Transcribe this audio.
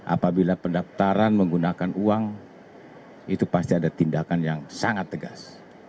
apabila pendaftaran menggunakan uang itu pasti ada tindakan yang sangat tegas